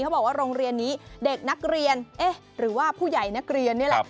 บอกว่าโรงเรียนนี้เด็กนักเรียนเอ๊ะหรือว่าผู้ใหญ่นักเรียนนี่แหละ